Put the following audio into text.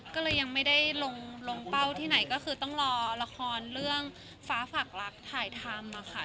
ก็เลยยังไม่ได้ลงเป้าที่ไหนก็คือต้องรอละครเรื่องฟ้าฝากรักถ่ายทำค่ะ